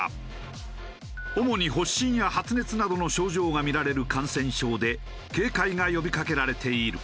主に発疹や発熱などの症状が見られる感染症で警戒が呼びかけられている。